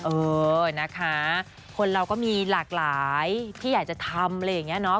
เออนะคะคนเราก็มีหลากหลายที่อยากจะทำอะไรอย่างนี้เนาะ